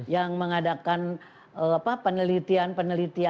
yang mengadakan penelitian penelitian